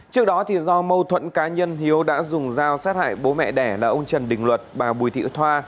trước đó do mâu thuẫn cá nhân hiếu đã dùng dao sát hại bố mẹ đẻ là ông trần đình luật bà bùi thị thoa